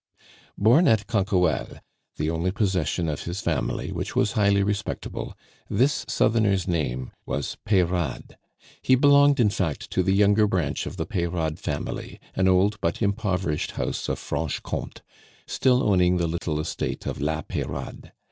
Born at Canquoelles, the only possession of his family, which was highly respectable, this Southerner's name was Peyrade. He belonged, in fact, to the younger branch of the Peyrade family, an old but impoverished house of Franche Comte, still owning the little estate of la Peyrade.